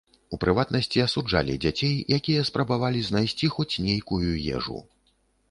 У прыватнасці, асуджалі дзяцей, якія спрабавалі знайсці хоць нейкую ежу.